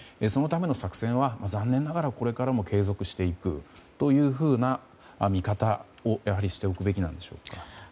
そのための作戦は残念ながら、これからも継続していくというふうな見方を、やはりしておくべきなんでしょうか。